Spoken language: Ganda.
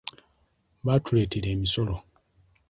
Baatuleetera emisolo.